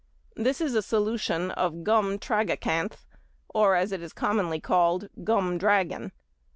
This is a solution of gum tragacanth, or as it is commonly called, gum dragon.